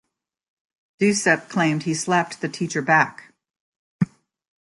Duceppe claimed he slapped the teacher back.